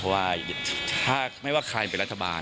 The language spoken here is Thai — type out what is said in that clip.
เพราะว่าถ้าไม่ว่าใครเป็นรัฐบาล